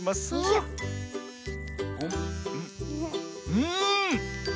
うん！